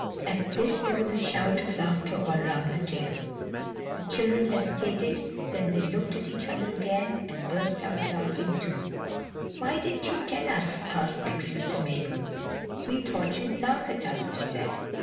At this there was a shout of laughter all round the table. The children hesitated, then they looked at each other again, and burst out laughing too. "Why didn't you tell us?" asked big sister Mabel. "We thought you'd laugh at us," they said.